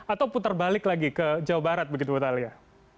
atau putar balik lagi ke jawa barat begitu bu thalia